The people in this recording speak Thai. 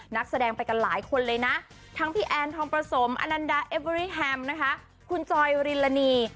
นักแสดงไปกันหลายคนเลยนะทั้งพี่แอนทองประสมอนันดาเอเวอรี่แฮมนะคะคุณจอยริลานี